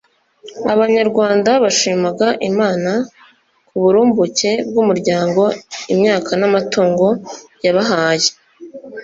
Abanyarwanda bashimaga Imana k’uburumbuke bw’umuryango, imyaka n’amatungo yabahaye.